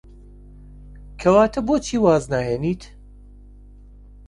کەواتە بۆچی واز ناهێنیت؟